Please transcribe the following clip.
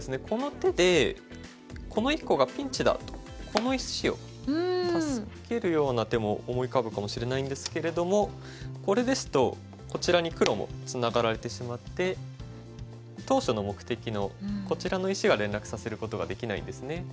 この手でこの１個がピンチだとこの１子を助けるような手も思い浮かぶかもしれないんですけれどもこれですとこちらに黒もツナがられてしまって当初の目的のこちらの石が連絡させることができないんですね。